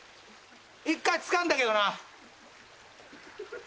１回、つかんだけどな。